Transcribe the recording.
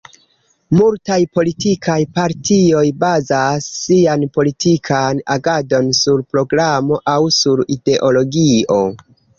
Multaj politikaj partioj bazas sian politikan agadon sur programo aŭ sur ideologio.